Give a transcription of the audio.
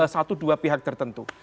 satu dua pihak tertentu